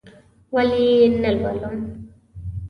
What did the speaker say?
ولې یې نه لولم؟!